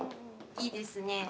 いいですね。